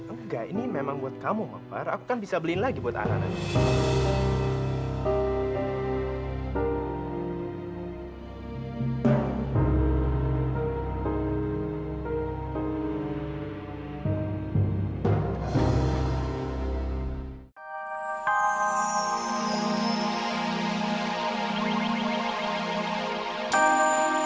enggak ini memang buat kamu mawar aku kan bisa beliin lagi buat anak anak